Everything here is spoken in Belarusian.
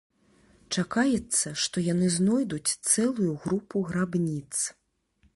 Чакаецца, што яны знойдуць цэлую групу грабніц.